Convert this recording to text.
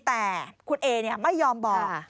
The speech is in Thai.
แต่คุณเอไม่ยอมบอก